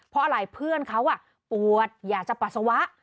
เพราะอะไรเพื่อนเขาปวดอยากจะปัสสาวะ